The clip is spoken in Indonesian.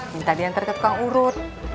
minta dia hantar ke tukang urut